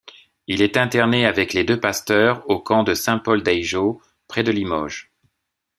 Il est interné avec les deux pasteurs au camp de Saint-Paul-d'Eyjeaux, près de Limoges.